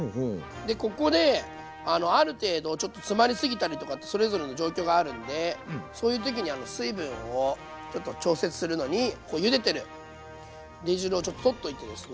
でここである程度ちょっと詰まり過ぎたりとかってそれぞれの状況があるんでそういう時に水分をちょっと調節するのにゆでてる煮汁をちょっと取っといてですね。